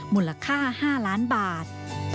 มูลค่า๕ล้านบาท